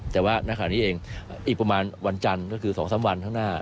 แต่ว่าณขณะนี้เองอีกประมาณวันจันทร์ก็คือ๒๓วันข้างหน้า